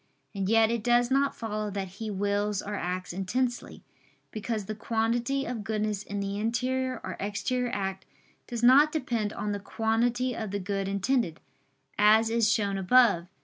And yet it does not follow that he wills or acts intensely; because the quantity of goodness in the interior or exterior act does not depend on the quantity of the good intended, as is shown above.